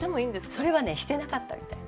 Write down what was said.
それはねしてなかったみたいですね。